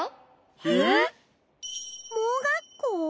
えっ？盲学校？